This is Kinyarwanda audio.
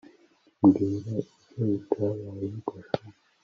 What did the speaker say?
mbwira ibyo bitabaye gusa